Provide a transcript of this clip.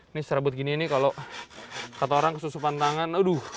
ini serabut gini nih kalau kata orang kesusupan tangan